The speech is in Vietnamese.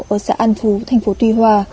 ở xã an thú thành phố tuy hòa